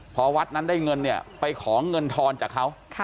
พอวัดนั้นได้เงินเนี่ยไปขอเงินทอนจากเขา